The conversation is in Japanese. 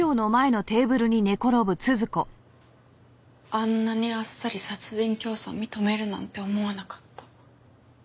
あんなにあっさり殺人教唆を認めるなんて思わなかった。